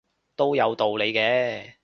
都有道理嘅